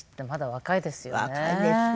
若いですよ。